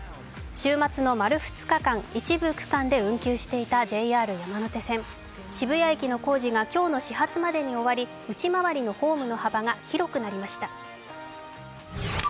週末の丸２日間、一部区間で運休していたＪＲ山手線、渋谷駅の工事が今日の始発までに終わり、内回りのホームの幅が広くなりました。